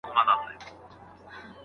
که په مصر کې سوله راشي تجارت به وغوړېږي.